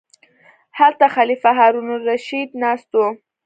هلته خلیفه هارون الرشید ناست و.